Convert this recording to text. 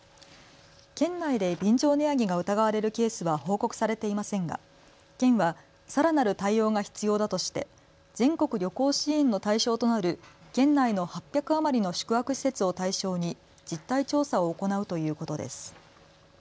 県内で便乗値上げが疑われるケースは報告されていませんが県はさらなる対応が必要だとして全国旅行支援の対象となる県内の８００余りの宿泊施設を対象に実態調査を行うということです。